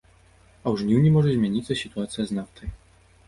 А ў жніўні можа змяніцца сітуацыя з нафтай.